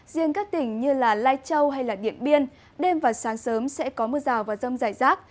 riêng các tỉnh như lai châu hay điện biên đêm và sáng sớm sẽ có mưa rào và rông dài rác